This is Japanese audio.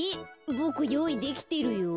ボクよういできてるよ。